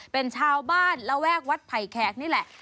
เป็นชาวบ้านระแวกวัดไผ่แขกนี่แหละ